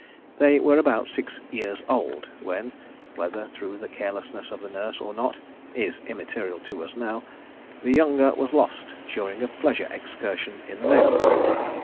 They were about six years old when, whether through the carelessness of the nurse or not, is immaterial to us now, the younger was lost during a pleasure excursion in the neighbourhood.